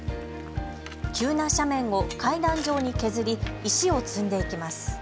急な斜面を階段状に削り石を積んでいきます。